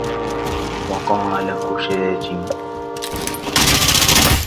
وَقَالَ كُشَاجِمُ